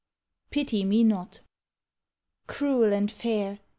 PITY ME NOT! Cruel and fair!